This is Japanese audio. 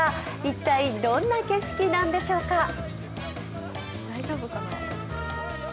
一体どんな景色なのでしょうか。